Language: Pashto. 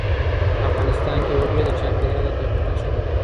افغانستان کې وګړي د چاپېریال د تغیر نښه ده.